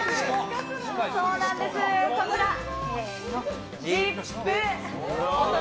そうなんです、こちら、せーの。